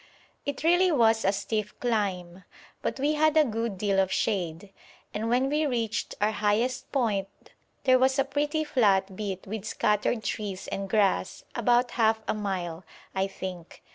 It really was a stiff climb, but we had a good deal of shade, and when we reached our highest point there was a pretty flat bit with scattered trees and grass, about half a mile, I think.